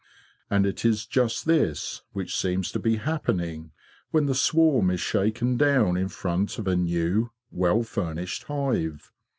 And it is just this which seems to be happening when the swarm is shaken down in front of a new, well furnished hive.